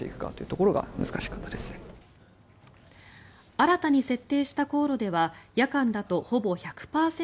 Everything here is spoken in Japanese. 新たに設定した航路では夜間だとほぼ１００％